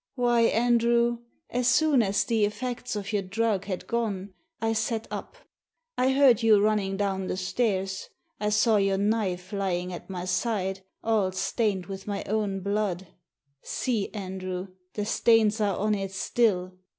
Why, Andrew, as soon as the effects of your drug had gone, I sat up. I heard you running down the stairs, I saw your knife lying at my side, all stained with my own blood — see, Andrew, the stains are on it still!